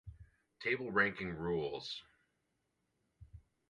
Table ranking rules